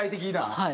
はい。